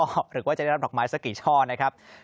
หรือว่าจะได้รับดอกไม้สักกี่ช่อนะครับ